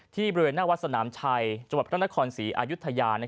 บริเวณหน้าวัดสนามชัยจังหวัดพระนครศรีอายุทยา